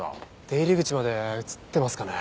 出入り口まで映ってますかね？